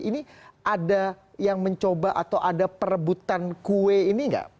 ini ada yang mencoba atau ada perebutan kue ini nggak